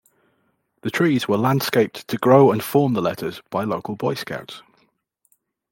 The trees were landscaped to grow and form the letters by local Boy Scouts.